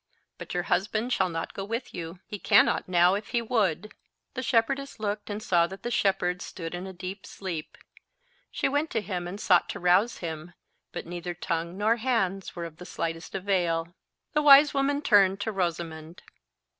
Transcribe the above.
But your husband shall not go with you. He cannot now if he would." The shepherdess looked and saw that the shepherd stood in a deep sleep. She went to him and sought to rouse him, but neither tongue nor hands were of the slightest avail. The wise woman turned to Rosamond.